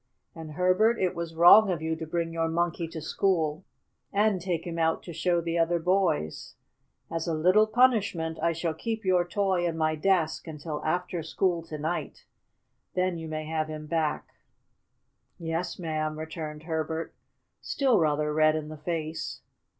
And, Herbert, it was wrong of you to bring your Monkey to school and take him out to show to other boys. As a little punishment I shall keep your toy in my desk until after school to night. Then you may have him back." "Yes'm," returned Herbert, still rather red in the face.